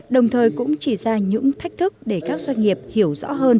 đồng thời cũng chỉ ra những thách thức để các doanh nghiệp hiểu rõ hơn